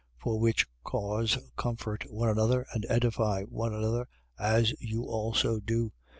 5:11. For which cause comfort one another and edify one another, as you also do.